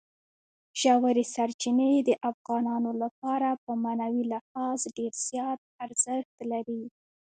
ژورې سرچینې د افغانانو لپاره په معنوي لحاظ ډېر زیات ارزښت لري.